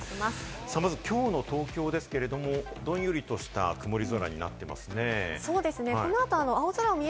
そのきょうの東京ですけれども、どんよりとした曇り空になっていますね。